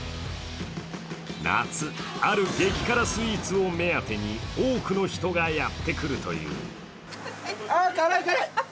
夏、ある激辛スイーツを目当てに多くの人がやってくるという。